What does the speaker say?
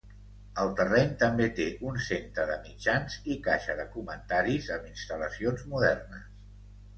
El terreny també té un centre de mitjans i caixa de comentaris amb instal·lacions modernes.